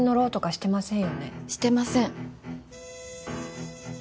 してません。